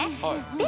で